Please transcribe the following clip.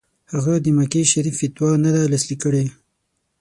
هغه د مکې شریف فتوا نه ده لاسلیک کړې.